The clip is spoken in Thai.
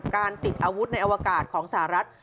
การติดอาวุธในอวกาศของสหรัฐ